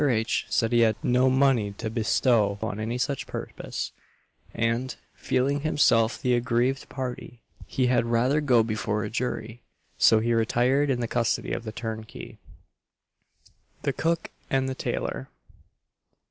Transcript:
H. said he had no money to bestow on any such purpose; and, feeling himself the aggrieved party, he had rather go before a jury; so he retired in the custody of the turnkey. THE COOK AND THE TAILOR.